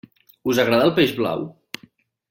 Us agrada el peix blau?